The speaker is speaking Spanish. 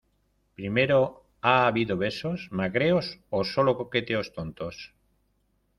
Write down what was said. primero, ¿ ha habido besos , magreos o solo coqueteos tontos?